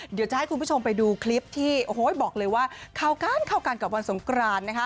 เดี๋ยวจะให้คุณผู้ชมไปดูคลิปที่โอ้โหบอกเลยว่าเข้ากันเข้ากันกับวันสงกรานนะคะ